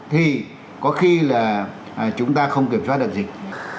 thì có khi là chúng ta không kiểm soát được dịch